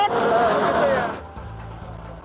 ya orangnya akan cap duit